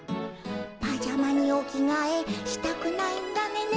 「パジャマにおきがえしたくないんだね